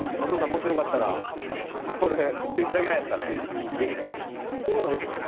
もしよかったらこれ振っていただけないっすかね？